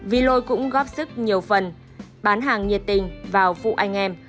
vì lôi cũng góp sức nhiều phần bán hàng nhiệt tình vào phụ anh em